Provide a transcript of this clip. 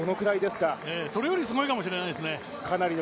それよりすごいかもしれないですね。